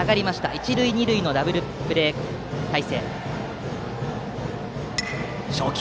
一塁二塁のダブルプレー態勢。